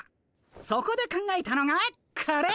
そこで考えたのがこれ。